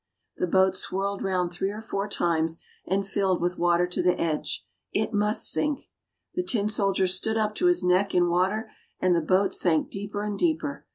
The boat swirled round three or four times, and filled with water to the edge; it must sink. The tin soldier stood up to his neck in water, and the boat sank deeper and deeper.